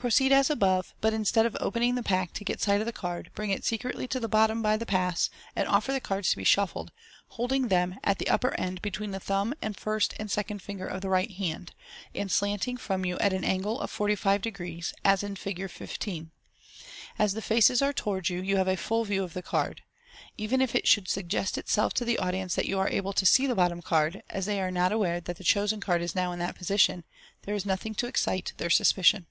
— Proceed as above, but instead of opening the pack to get sight of the card, bring it secretly to the bottom by the pass, and offer the cards to be shuffled, holding them at t! e upper end between the thumb and first and second finger of the right hand, and slanting from you at an angle of 450, as in Fig. 15. As the faces are towards you, you have a full view of the card. Even if it should suggest itself to the audience that you are able to see the oottom card, as they are not aware that the chosen card is now in that position, there is nothing to excite their suspicion.